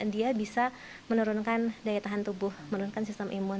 dia bisa menurunkan daya tahan tubuh menurunkan sistem imun